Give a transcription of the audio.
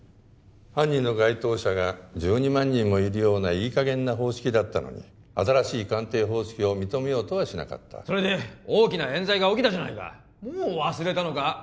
犯人の該当者が１２万人もいるようないい加減な方式だったのに新しい鑑定方式を認めようとはしなかったそれで大きな冤罪が起きたじゃないかもう忘れたのか？